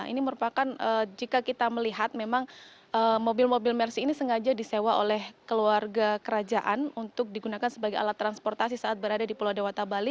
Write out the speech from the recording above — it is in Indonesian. ini merupakan jika kita melihat memang mobil mobil mersi ini sengaja disewa oleh keluarga kerajaan untuk digunakan sebagai alat transportasi saat berada di pulau dewata bali